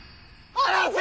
離せ！